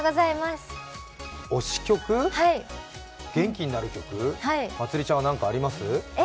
推し曲、元気になる曲まつりちゃんは何かあります？